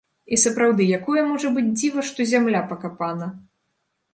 І сапраўды, якое можа быць дзіва, што зямля пакапана!